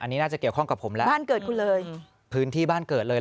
อันนี้น่าจะเกี่ยวข้องกับผมแล้วบ้านเกิดคุณเลยพื้นที่บ้านเกิดเลย